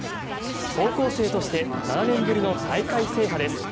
高校生として７年ぶりの大会制覇です。